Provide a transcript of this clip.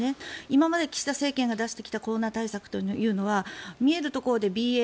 今まで岸田政権が出してきたコロナ対策というのは見えるところでＢＡ．